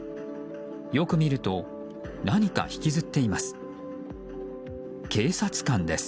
よく見ると何か引きずっています。